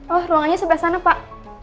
oh ruangannya sebelah sana pak